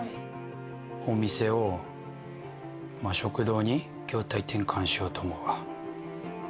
お店を食堂に業態転換しようと思うわ。